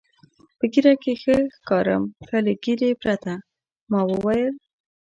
په ږیره کې ښه ښکارم که له ږیرې پرته؟ ما وویل.